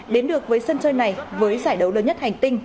đến được với sân chơi này với giải đấu lớn nhất hành tinh